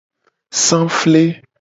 Safle.